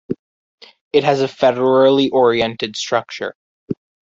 It has a federally orientated structure.